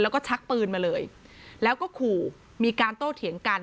แล้วก็ชักปืนมาเลยแล้วก็ขู่มีการโต้เถียงกัน